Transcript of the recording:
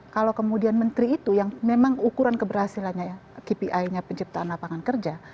kalau kemudian menteri itu yang memang ukuran keberhasilannya ya kpi nya penciptaan lapangan kerja